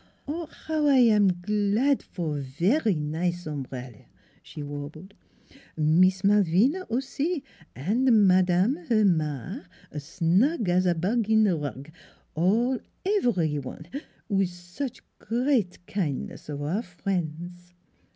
" How I am g lad for very nize ombrell," she warbled. " Mees Malvina, aussi, an' Madame, her Ma snug as rug in bug : all ev e rie one wiz such gr eat kin'ness of our frien's."